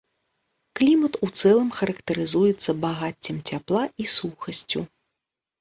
Клімат у цэлым характарызуецца багаццем цяпла і сухасцю.